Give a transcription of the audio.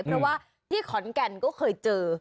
เพราะว่าที่ขอนแก่นก็เคยเจอ